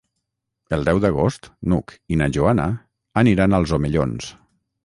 El deu d'agost n'Hug i na Joana aniran als Omellons.